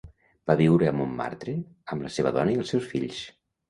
Va viure a Montmartre amb la seva dona i els seus fills.